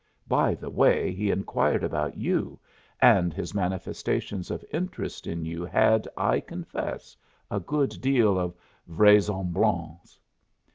(By the way, he inquired about you, and his manifestations of interest in you had, I confess, a good deal of _vraisemblance.